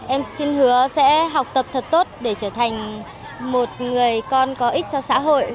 em xin hứa sẽ học tập thật tốt để trở thành một người con có ích cho xã hội